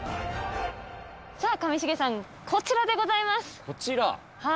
さあ、上重さん、こちらでごこちら？